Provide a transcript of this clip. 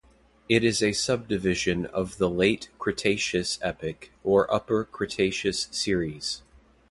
It is a subdivision of the Late Cretaceous epoch or Upper Cretaceous series.